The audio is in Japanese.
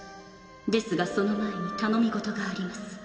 ですがその前に頼み事があります。